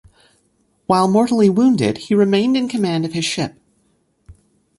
While mortally wounded, he remained in command of his ship.